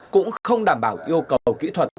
cũng không đảm bảo yêu cầu kỹ thuật